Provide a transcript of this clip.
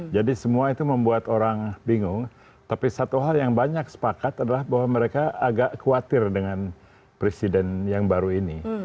jadi semua itu membuat orang bingung tapi satu hal yang banyak sepakat adalah bahwa mereka agak khawatir dengan presiden yang baru ini